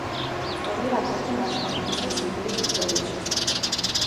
ავტორია აგრეთვე ნაშრომებისა ციმბირის ისტორიის შესახებ.